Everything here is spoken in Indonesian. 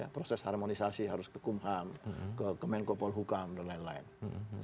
proses harmonisasi harus ke kumham ke kemenkopol hukam dan lain lain